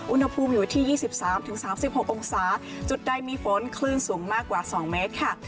อุณหภูมิอยู่ที่๒๓๓๖องศาจุดใดมีฝนคลื่นสูงมากกว่า๒เมตรค่ะ